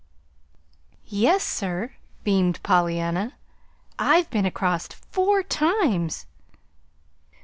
"Yes, sir," beamed Pollyanna. "I've been across four times!"